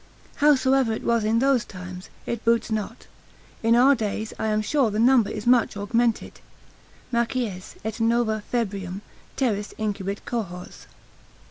Howsoever it was in those times, it boots not; in our days I am sure the number is much augmented: ———macies, et nova febrium Terris incubit cohors.